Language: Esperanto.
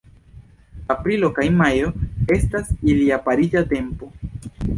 Aprilo kaj majo estas ilia pariĝa tempo.